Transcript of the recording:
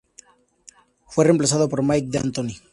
Fue reemplazado por Mike D'Antoni.